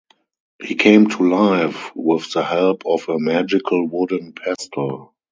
He came to life with the help of a magical wooden pestle.